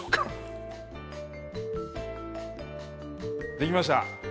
できました。